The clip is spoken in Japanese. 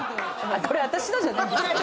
これ私のじゃないんですよ。